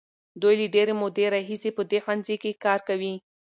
دوی له ډېرې مودې راهیسې په دې ښوونځي کې کار کوي.